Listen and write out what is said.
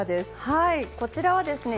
はいこちらはですね